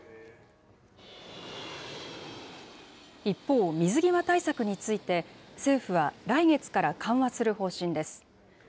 一方、水際対策について、政府は来月から緩和する方針です。